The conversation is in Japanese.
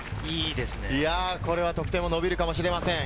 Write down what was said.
これは得点も伸びるかもしれません。